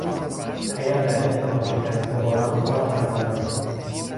اگر در این امتحان شکست بخورم کارم تمام است.